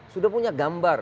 sudah punya gambar